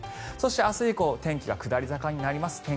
そして、明日以降天気が下り坂になります。